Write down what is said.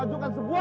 udah ada di dahulu